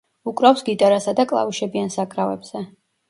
უკრავს გიტარასა და კლავიშებიან საკრავებზე.